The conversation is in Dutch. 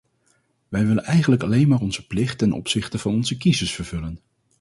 Wij willen eigenlijk alleen maar onze plicht ten opzichte van onze kiezers vervullen.